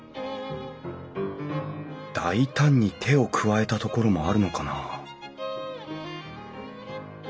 大胆に手を加えたところもあるのかな？